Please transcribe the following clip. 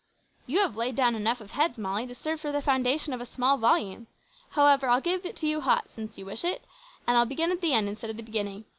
"You have laid down enough of heads, Molly, to serve for the foundation of a small volume. However, I'll give it you hot, since you wish it, and I'll begin at the end instead of the beginning.